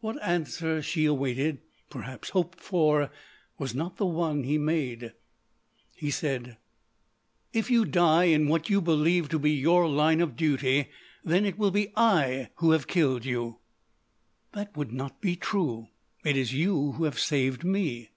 What answer she awaited—perhaps hoped for—was not the one he made. He said: "If you die in what you believe to be your line of duty, then it will be I who have killed you." "That would not be true. It is you who have saved me."